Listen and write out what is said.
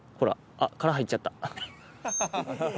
あっ殻入っちゃった。